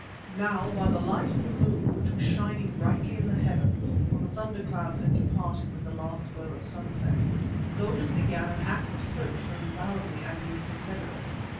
Now by the light of the moon which was shining brightly in the heavens, for the thunder clouds had departed with the last glow of sunset, soldiers began an active search for Imbozwi and his confederates.